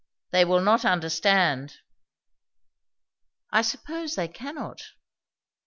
"They will not understand." "I suppose they cannot."